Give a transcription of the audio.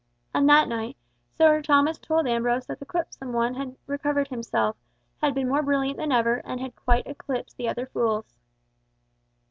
And that night, Sir Thomas told Ambrose that the Quipsome one had recovered himself, had been more brilliant than ever and had quite eclipsed the other fools.